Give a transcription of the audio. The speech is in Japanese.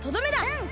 うん！